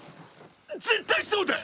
絶対そうだ！